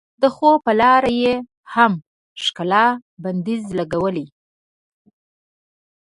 د خوب په لار یې هم ښکلا بندیز لګولی.